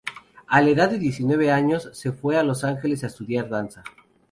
A la edad de diecinueve años, se fue a Los Ángeles a estudiar danza.